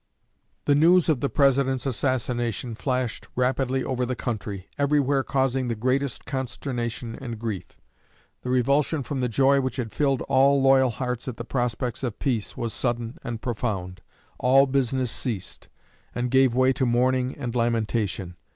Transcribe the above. The news of the President's assassination flashed rapidly over the country, everywhere causing the greatest consternation and grief. The revulsion from the joy which had filled all loyal hearts at the prospects of peace was sudden and profound. All business ceased, and gave way to mourning and lamentation.